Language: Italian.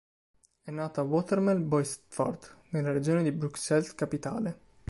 È nato a Watermael-Boitsfort, nella Regione di Bruxelles-Capitale.